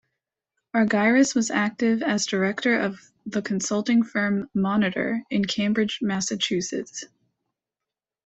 Argyris was active as director of the consulting firm Monitor in Cambridge, Massachusetts.